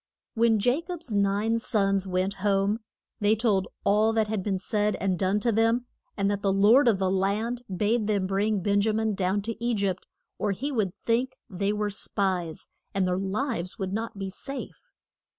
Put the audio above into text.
When Ja cob's nine sons went home they told all that had been said and done to them, and that the lord of the land bade them bring Ben ja min down to E gypt or he would think they were spies, and their lives would not be safe.